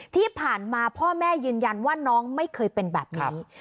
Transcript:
ที่ผ่านมาพ่อแม่ยืนยันว่าน้องไม่เคยเป็นแบบนี้